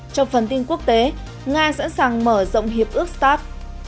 trong phần tin quốc tế nga sẵn sàng mở rộng hiệp ước start